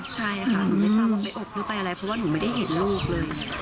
ใช่ค่ะไปอบรู้เป็นอะไรเพราะว่าหนูไม่ได้เห็นลูกเลย